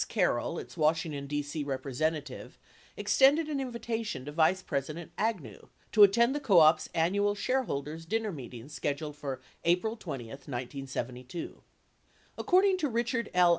Carroll, its Washington, D.C., representative, extended an invitation to Vice Pres ident Agnew to attend the co op's annual shareholders' dinner meet ing scheduled for April 20, 1972. 8ea According to Richard L.